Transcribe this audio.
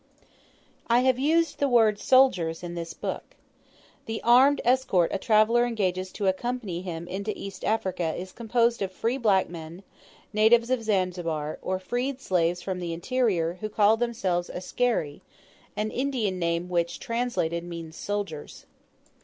I have used the word "soldiers" in this book. The armed escort a traveller engages to accompany him into East Africa is composed of free black men, natives of Zanzibar, or freed slaves from the interior, who call themselves "askari," an Indian name which, translated, means "soldiers."